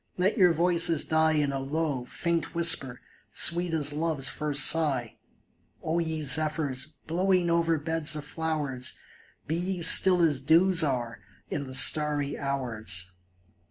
Let your voices die In a low, faint whisper, sweet as love's first sigh ; O ye zephyrs, blowing over beds of flowers. Be ye still as dews are in the starry hours